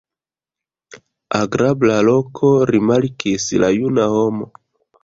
Agrabla loko, rimarkis la juna homo.